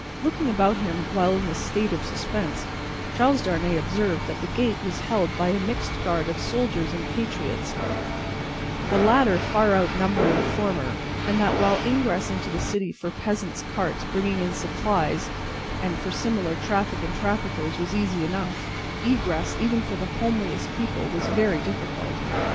Looking about him while in this state of suspense, Charles Darnay observed that the gate was held by a mixed guard of soldiers and patriots, the latter far outnumbering the former; and that while ingress into the city for peasants' carts bringing in supplies, and for similar traffic and traffickers, was easy enough, egress, even for the homeliest people, was very difficult.